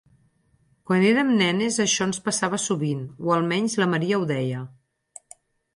Quan érem nenes això ens passava sovint, o almenys la Maria ho deia.